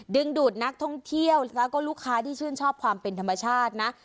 ดึงดูดนักท่องเที่ยวแล้วก็ลูกค้าที่ชื่นชอบความเป็นธรรมชาตินะ